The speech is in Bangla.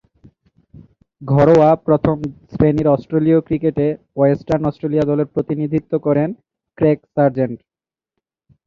ঘরোয়া প্রথম-শ্রেণীর অস্ট্রেলীয় ক্রিকেটে ওয়েস্টার্ন অস্ট্রেলিয়া দলের প্রতিনিধিত্ব করেন ক্রেগ সার্জেন্ট।